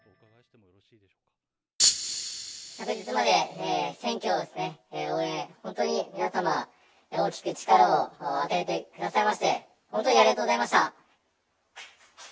昨日まで選挙の応援、本当に皆様、大きく力を与えてくださいまして、本当にありがとうございました。